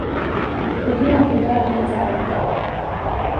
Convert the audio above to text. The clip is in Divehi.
އެދުވަހު ހިބާ އިނީ ފާޑަކަށް